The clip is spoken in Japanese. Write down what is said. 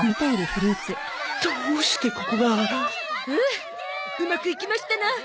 ふううまくいきましたな。